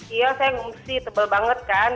iya saya ngungsi tebal banget kan